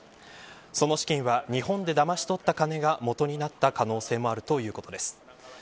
その資金は日本でだまし取った金が元になった可能性もあるということです。